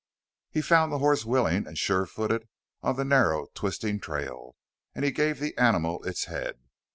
He found the horse willing and sure footed on the narrow, twisting trail, and he gave the animal its head.